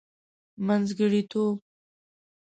منځګړتوب.